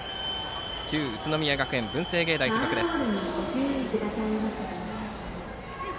旧宇都宮学園文星芸大付属です。